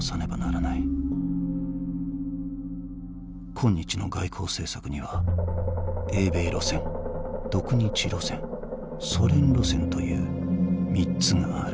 「今日の外交政策には英米路線独日路線ソ連路線という３つがある」。